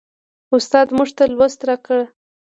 استاد موږ ته لوست راکړ.